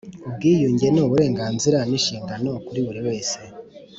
ubwiyunge ni uburenganzira n’inshingano kuri buri wese